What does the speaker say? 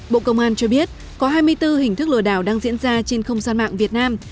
bộ công an cho biết có hai mươi bốn hình thức lừa đảo đang diễn ra trên không gian mạng việt nam